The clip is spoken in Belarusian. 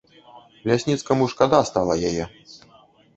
Лясніцкаму шкада стала яе.